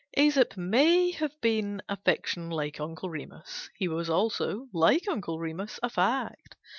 Æsop may have been a fiction like Uncle Remus: he was also, like Uncle Remus, a fact.